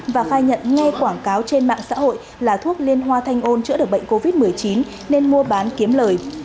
và khai nhận nghe quảng cáo trên mạng xã hội là thuốc liên hoa thanh ôn chữa được bệnh covid một mươi chín nên mua bán kiếm lời